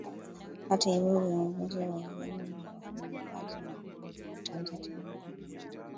Hata hivyo viongozi wa vyama vya wafanyakazi wameonya kuwa wataanza tena mgomo huo